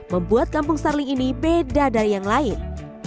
membuat kampung starling ini beda dari yang lain